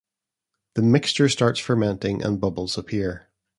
The mixture starts fermenting and bubbles appear.